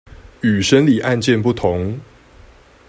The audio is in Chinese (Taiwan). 與審理案件不同